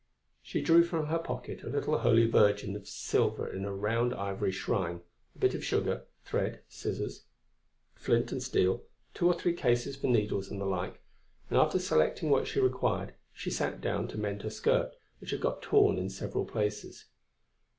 She drew from her pocket a little Holy Virgin of silver in a round ivory shrine, a bit of sugar, thread, scissors, a flint and steel, two or three cases for needles and the like, and after selecting what she required, sat down to mend her skirt, which had got torn in several places.